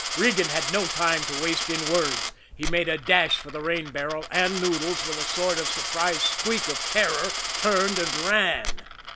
Regan had no time to waste in words. He made a dash for the rain barrel and Noodles, with a sort of surprised squeak of terror, turned and ran.